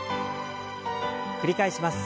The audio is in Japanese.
繰り返します。